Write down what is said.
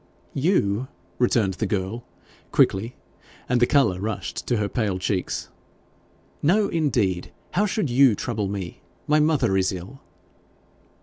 'You!' returned the girl quickly, and the colour rushed to her pale cheeks. 'No, indeed. How should you trouble me? My mother is ill.'